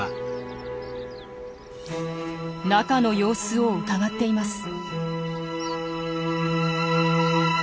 中の様子をうかがっています。